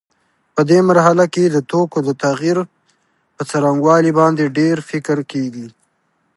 په دې مرحله کې د توکو د تغییر پر څرنګوالي باندې ډېر فکر کېږي.